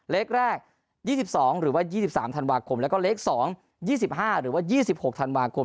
เลขแรก๒๒หรือว่า๒๓ธันวาคมแล้วก็เลข๒๒๕หรือว่า๒๖ธันวาคม